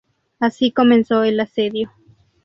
Así comenzó el asedio.